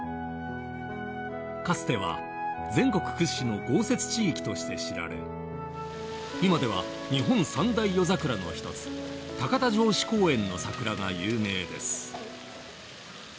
かつては全国屈指の豪雪地域として知られ今では日本三大夜桜の一つ高田城址公園の桜が有名です。